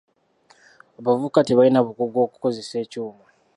Abavubuka tebalina bukugu okukozesa ekyuma.